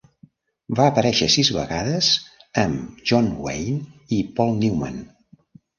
Va aparèixer sis vegades amb John Wayne i Paul Newman.